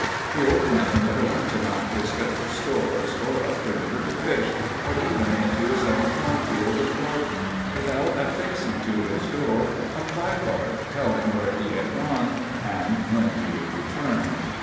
The old man never went to Mount Pisgah for stores, or up the river to fish, or even into his own cornfield and garden, without affixing to his door a placard telling where he had gone and when he would return.